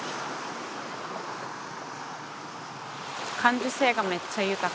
感受性がめっちゃ豊か。